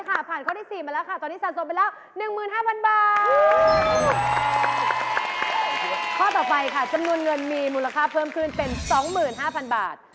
ข้อต่อไปค่ะจำนวนเงินมีมูลค่าเพิ่มขึ้นเป็น๒๕๐๐๐บาท